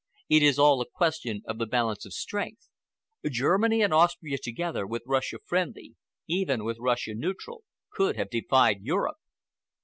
It is all a question of the balance of strength. Germany and Austria together, with Russia friendly,—even with Russia neutral,—could have defied Europe.